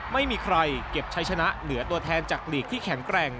ไม่มีใครเก็บใช้ชนะเหลือตัวแทนจากลีกที่แข็งแกร่ง